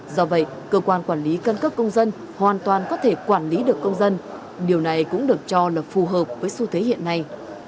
do vậy cơ quan quản lý căn cước công dân hoàn toàn có thể quản lý được công dân điều này cũng được cho là phù hợp với xu thế hiện nay